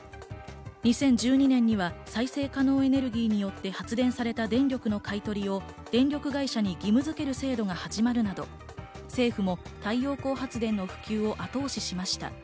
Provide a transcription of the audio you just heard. ２０１２年には再生可能エネルギーによって発電された電力の買い取りを電力会社に義務づける制度が始まるなど、政府も太陽光発電の普及を後押ししました。